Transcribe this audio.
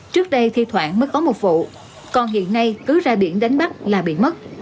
trước đây thi thoảng mới có một vụ còn hiện nay cứ ra biển đánh bắt là bị mất